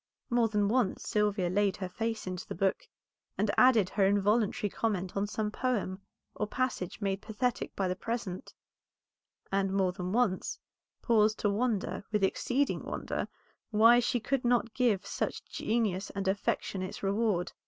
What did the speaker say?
More than once Sylvia laid her face into the book, and added her involuntary comment on some poem or passage made pathetic by the present; and more than once paused to wonder, with exceeding wonder, why she could not give such genius and affection its reward.